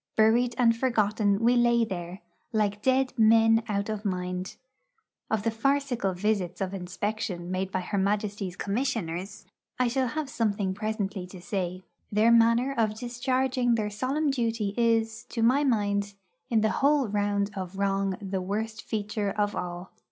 Buried and forgotten we lay there, like dead men out of mind. Of the farcical visits of inspection made by her Majesty's Commissioners I shall have something presently to say. Their manner of discharging their solemn duty is, to my mind, in the whole round of wrong the worst feature of all.